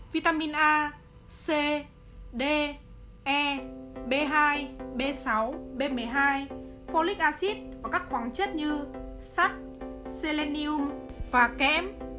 vitamin a c d e b hai b sáu b một mươi hai folic acid và các khoáng chất như sắt selenium và kém